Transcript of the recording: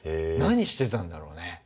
何してたんだろうね。